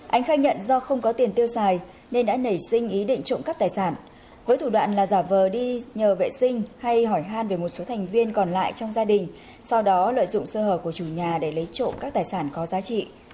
anh khai nhận do không có tiền tiêu xài nên đã nảy sinh ý định trộm cắp tài sản với thủ đoạn là giả vờ đi nhờ vệ sinh hay hỏi han về một số thành viên còn lại trong gia đình sau đó lợi dụng sơ hở của chủ nhà để lấy trộm các tài sản có giá trị